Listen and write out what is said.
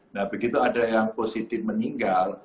nah begitu ada yang positif meninggal